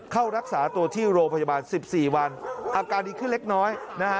เข้ารักษาตัวที่โรงพยาบาล๑๔วันอาการดีขึ้นเล็กน้อยนะฮะ